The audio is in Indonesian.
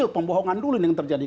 pembohongan dulu yang terjadi